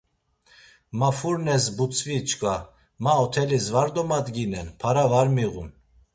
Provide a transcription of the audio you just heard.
Mafurnes butzvi çkva, Ma otelis var domadginen, para var miğun.